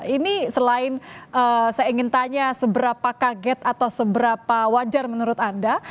ini selain saya ingin tanya seberapa kaget atau seberapa wajar menurut anda